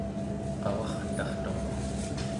qavartartuq